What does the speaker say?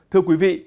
thưa quý vị